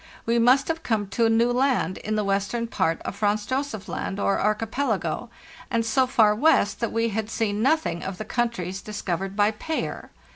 We must have come to a new land in the western part of Franz Josef Land or Archipelago, and so far west that we had seen nothing of the countries discovered by Payer.